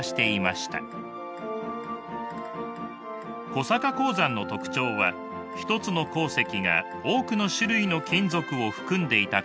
小坂鉱山の特徴は一つの鉱石が多くの種類の金属を含んでいたことです。